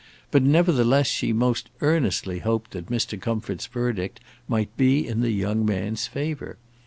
But, nevertheless, she most earnestly hoped that Mr. Comfort's verdict might be in the young man's favour.